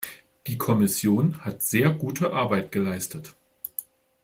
Die Kommission hat sehr gute Arbeit geleistet.